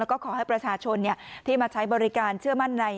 แล้วก็ขอให้ประชาชนที่มาใช้บริการเชื่อมั่นใน